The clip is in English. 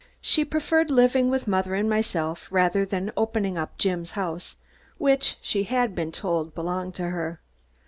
She preferred living with mother and myself, rather than opening up Jim's house, which she had been told belonged to her.